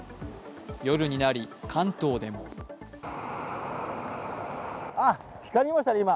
夜になり、関東でもあ、光りましたね、今。